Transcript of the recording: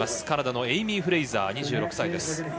カナダのエイミー・フレイザー２６歳。